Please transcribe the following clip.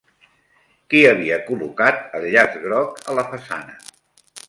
Qui havia col·locat el llaç groc a la façana?